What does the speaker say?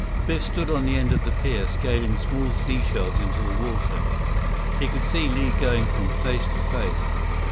Biff stood on the end of the pier, scaling small sea shells into the water. He could see Li going from place to place.